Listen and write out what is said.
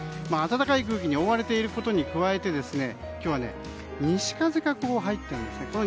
暖かい空気に覆われていることに加えて今日は西風が入っているんですね。